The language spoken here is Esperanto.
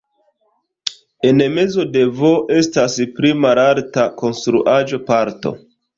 En mezo de "V" estas pli malalta konstruaĵo-parto.